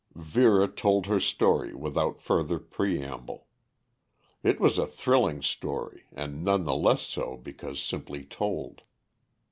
Vera told her story without further preamble. It was a thrilling story and none the less so because simply told.